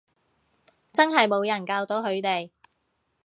真係冇人教到佢哋